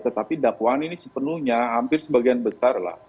tetapi dakwaan ini sepenuhnya hampir sebagian besar lah